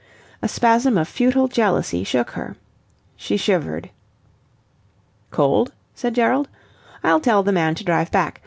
A spasm of futile jealousy shook her. She shivered. "Cold?" said Gerald. "I'll tell the man to drive back...